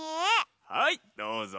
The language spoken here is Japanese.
はいどうぞ！